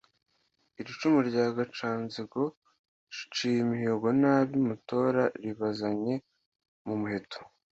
Iri cumu rya Gacanzigo riciye imihigo N'ab'i Mutora ribazanye ku muheto.